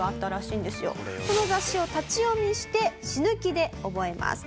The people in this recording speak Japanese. その雑誌を立ち読みして死ぬ気で覚えます。